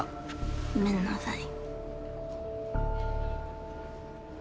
ごめんなさい。